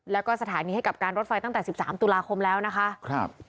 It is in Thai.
แล้วก็สถานีให้กับการรถไฟตั้งแต่๑๓ตุลาคมแล้วนะคะครับ